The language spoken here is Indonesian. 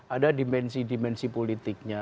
ada dimensi dimensi politiknya